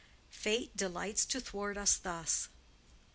Fate delights to thwart us thus.